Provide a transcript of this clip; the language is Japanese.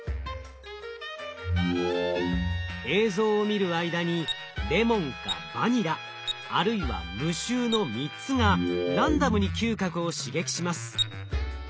映像を見る間にレモンかバニラあるいは無臭の３つがランダムに嗅覚を刺激します。